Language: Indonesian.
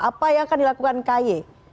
apa yang akan dilakukan kay